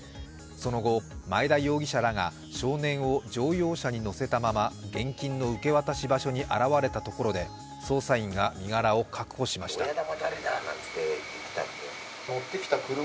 その後、前田容疑者らが少年を乗用車に乗せたまま現金の受け渡し場所に現れたところで捜査員が身柄を確保しました。